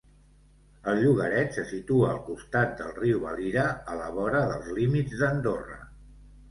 El llogaret se situa al costat del riu Valira, a la vora dels límits d'Andorra.